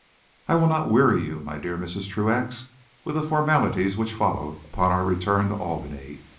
..... I will not weary you, my dear Mrs. Truax, with the formalities which followed upon our return to Albany.